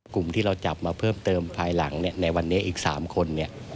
กลุ่มที่เราจับมาเพิ่มเติมภายหลังในวันนี้อีก๓คน